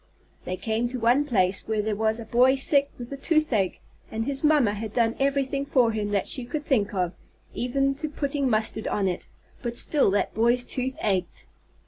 They came to one place where there was a boy sick with the toothache, and his mamma had done everything for him that she could think of, even to putting mustard on it, but still that boy's tooth ached.